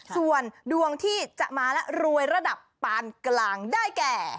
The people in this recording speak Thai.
ส่วนดวงที่จะมาและรวยระดับปานกลางได้แก่